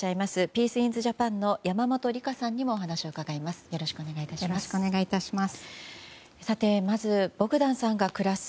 ピースウィンズ・ジャパンの山本理夏さんにもお話を伺います。